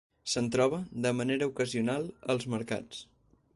Se'n troba, de manera ocasional, als mercats.